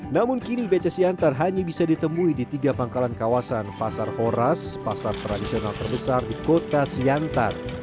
namun kini beca siantar hanya bisa ditemui di tiga pangkalan kawasan pasar foras pasar tradisional terbesar di kota siantar